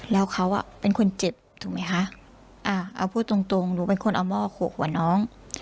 แล้วเขาอ่ะเป็นคนเจ็บถูกไหมคะอ่าเอาพูดตรงตรงหนูเป็นคนเอาหม้อโขกหัวน้อง